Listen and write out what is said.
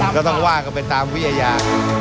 เราต้องว่าก็ไปตามวิอาญา